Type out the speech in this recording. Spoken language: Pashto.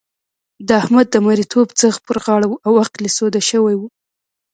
د احمد د مرېيتوب ځغ پر غاړه وو او عقل يې سوده شوی وو.